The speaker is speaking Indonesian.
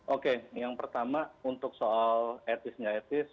oke yang pertama untuk soal etis nggak etis